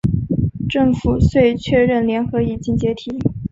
政府遂确认联合已经解体。